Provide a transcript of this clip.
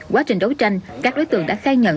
quá trình đấu tranh các đối tượng đã khai nhận